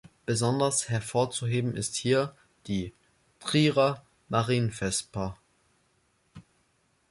Besonders hervorzuheben ist hier die „"Trierer Marienvesper"“.